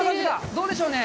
どうでしょうね。